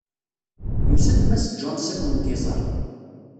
Yusa-d Mass Jones ad kent-iẓeṛ.